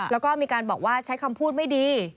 แล้วก็มีการบอกว่าใช้คำพูดไม่ดี